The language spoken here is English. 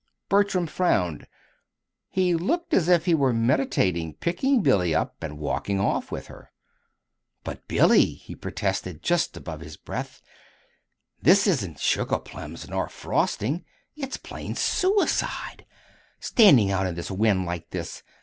Bertram frowned. He looked as if he were meditating picking Billy up and walking off with her. "But, Billy," he protested just above his breath, "this isn't sugarplums nor frosting; it's plain suicide standing out in this wind like this!